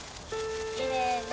きれいね。